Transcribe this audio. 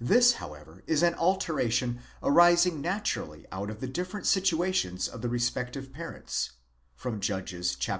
This, however, is an alteration arising naturally out of the different situations of the respective parents (Judges xiii.).